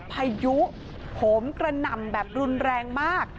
พายุโหมกระหน่ำแบบรุนแรงมาก